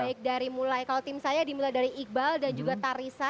baik dari mulai kalau tim saya dimulai dari iqbal dan juga tarisa